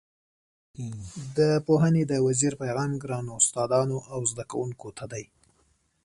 د پوهنې د وزیر پیغام ګرانو استادانو او زده کوونکو ته دی.